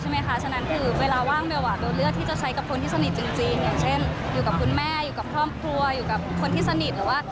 ไม่ค่อยได้ออกไปสังสัจกับคนที่ไม่ได้สนิทด้วย